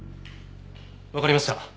わかりました。